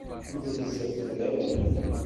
Ur d-rezzuɣ fell-awen.